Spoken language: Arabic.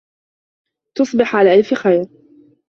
تصبح على ألف خير